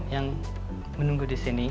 yang menunggu di sini